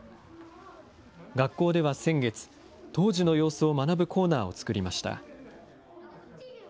学校では先月、当時の様子を学ぶコーナーを作りました。